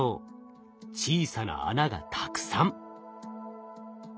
小さな穴がたくさん。